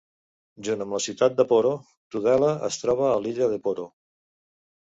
Junt amb la ciutat de Poro, Tudela es troba a l'illa de Poro.